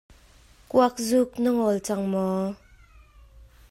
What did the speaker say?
Kuakzuk na ngol cang maw?